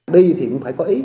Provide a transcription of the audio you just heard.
đi thì cũng phải có ý